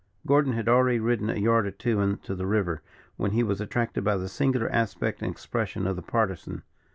Gordon had already ridden a yard or two into the river, when he was attracted by the singular aspect and expression of the Partisan.